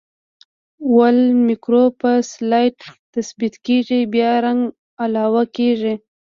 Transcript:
اول مکروب په سلایډ تثبیت کیږي بیا رنګ علاوه کیږي.